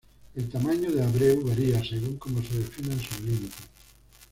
El tamaño de Abreu varía, según cómo se definan sus límites.